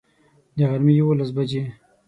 د غرمي یوولس بجي